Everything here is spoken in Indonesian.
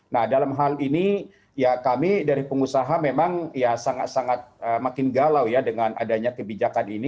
nah dalam hal ini ya kami dari pengusaha memang ya sangat sangat makin galau ya dengan adanya kebijakan ini